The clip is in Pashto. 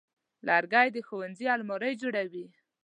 لرګی د ښوونځي المارۍ جوړوي.